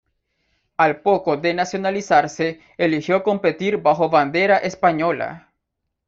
Al poco de nacionalizarse eligió competir bajo bandera española.